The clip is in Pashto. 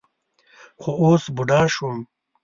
خو اوس بوډا شوم.